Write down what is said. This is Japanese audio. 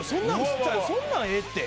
そんなんええって。